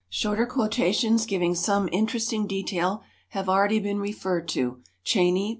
Shorter quotations giving some interesting detail have already been referred to (Cheyney, pp.